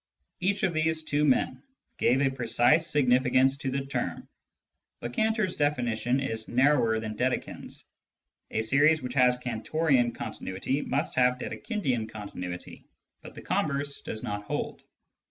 Each of these two men gave a precise significance to the term, but Cantor's definition is narrower than Dedekind's : a series which has Cantorian continuity must have Dedekindian con tinuity, but the converse does not hold.